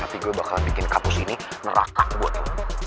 tapi gua bakalan bikin kapus ini neraka buat lo